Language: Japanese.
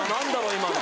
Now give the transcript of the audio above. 今の。